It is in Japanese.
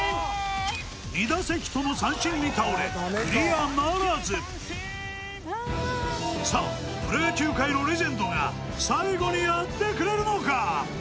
２打席とも三振に倒れさあプロ野球界のレジェンドが最後にやってくれるのか？